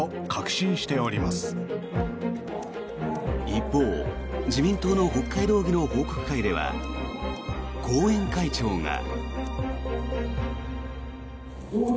一方自民党の北海道議の報告会では後援会長が。